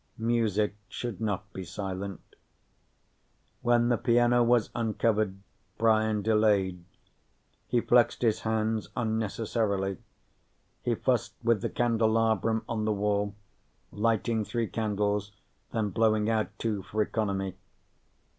Music should not be silent. When the piano was uncovered, Brian delayed. He flexed his hands unnecessarily. He fussed with the candelabrum on the wall, lighting three candles, then blowing out two for economy.